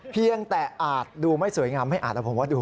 เพียงแต่อาจดูไม่สวยงามไม่อาจแล้วผมว่าดู